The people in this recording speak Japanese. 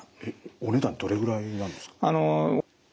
お値段どれぐらいなんですか？